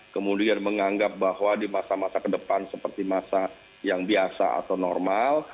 kemudian menganggap bahwa di masa masa ke depan seperti masa yang biasa atau normal